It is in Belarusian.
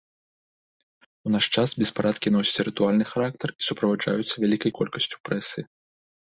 У наш час беспарадкі носяць рытуальны характар і суправаджаюцца вялікай колькасцю прэсы.